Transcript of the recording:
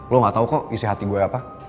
lo gak tau kok isi hati gue apa